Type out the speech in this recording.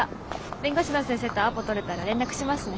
弁護士の先生とアポとれたら連絡しますね。